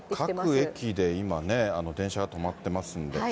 各駅で今ね、電車が止まってますんで。